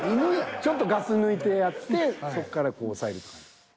ちょっとガス抜いてやってそっからこう抑える感じ。